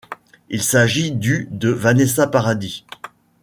Il s'agit du de Vanessa Paradis.